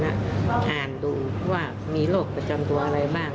ทานดูว่ามีโรคประจำตัวอะไรบ้าง